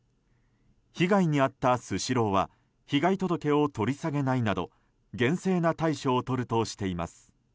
被害に遭ったスシローは被害届を取り下げないなど厳正な対処をとるとしています。